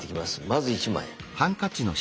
まず１枚。